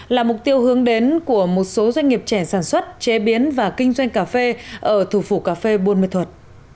là mục tiêu hướng đến của một số doanh nghiệp trẻ sản xuất chế biến và kinh doanh cà phê ở thủ phủ cà phê buôn ma thuật